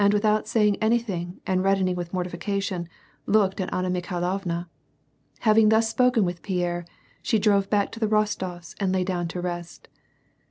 without saying anything and reddening with mortification, looked at Anna Mikhailovna. Having thus spoken with Pierre, she drove back to the Rostofs and lay down to rest.